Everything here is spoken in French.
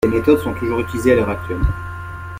Ces méthodes sont toujours utilisées à l’heure actuelle.